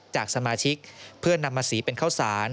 จากสมาชิกเพื่อนำมาสีเป็นข้าวสาร